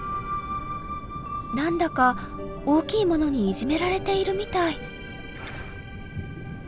何だか大きいものにいじめられているみたい。